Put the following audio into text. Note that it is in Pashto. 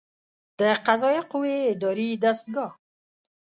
د قضائیه قوې اداري دستګاه